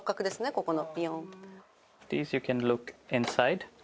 ここのビヨンって。